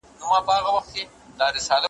ځم د جنون په زولنو کي به لیلا ووینم `